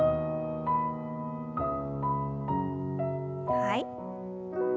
はい。